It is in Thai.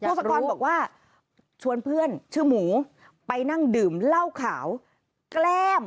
ศกรบอกว่าชวนเพื่อนชื่อหมูไปนั่งดื่มเหล้าขาวแกล้ม